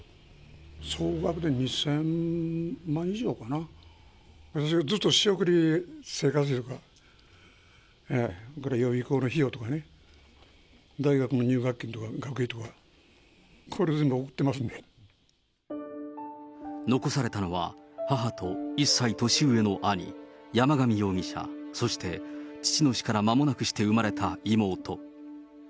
総額で２０００万以上かな、私がずっと仕送り、生活費いうか、それから予備校の費用とかね、大学の入学金とか学費とか、残されたのは、母と１歳年上の兄、山上容疑者、そして父の死から間もなくして生まれた妹。